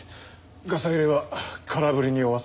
ガサ入れは空振りに終わったようだが。